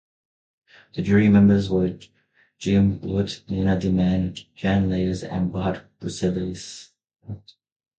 The jury members were Jean Blaute, Nina De Man, Jan Leyers and Bart Brusseleers.